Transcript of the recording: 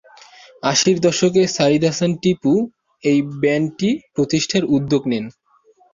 আশির দশকে সাইদ হাসান টিপু এই ব্যান্ডটি প্রতিষ্ঠার উদ্যোগ নেন।